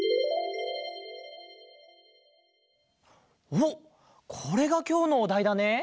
おっこれがきょうのおだいだね？